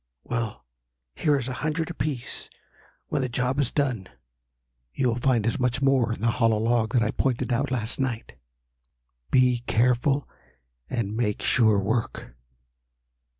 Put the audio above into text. "Well, here is a hundred apiece. When the job is done, you will find as much more in the hollow log that I pointed out last night. Be careful and make sure work!"